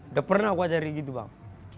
udah pernah aku ajarin gitu bang